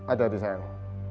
aduh aduh sayang